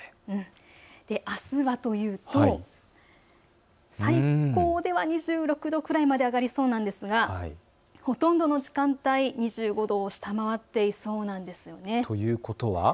あすはというと最高では２６度くらいまで上がりそうなんですが、ほとんどの時間帯、２５度を下回っていそうなんです。